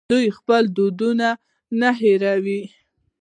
دوی خپل دودونه نه هیروي.